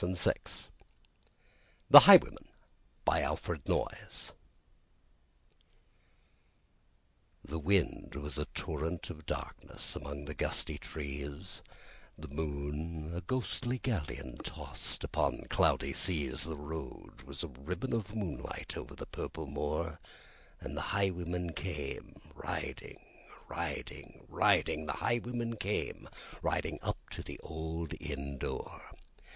Y Z The Highwayman THE wind was a torrent of darkness upon the gusty trees, The moon was a ghostly galleon tossed upon cloudy seas, The road was a ribbon of moonlight looping the purple moor, And the highwayman came riding Riding riding The highwayman came riding, up to the old inn door.